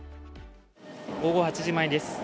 午後８時前です。